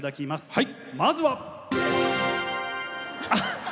はい。